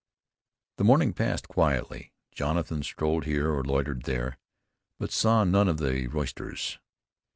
The morning passed quietly. Jonathan strolled here or loitered there; but saw none of the roisterers.